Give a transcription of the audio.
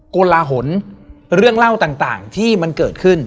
กลหนเรื่องเล่าต่างที่มันเกิดขึ้น